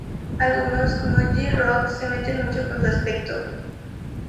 Algunos, como J-Roc, se meten mucho con su aspecto.